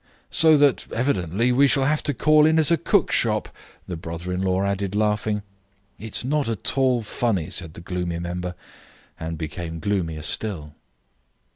"So that, evidently, we shall have to call in at a cook shop," the brother in law added, laughing. "It is not at all funny," said the gloomy member, and became gloomier still.